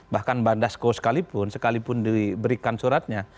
bahkan bandasko sekalipun sekalipun diberikan suratnya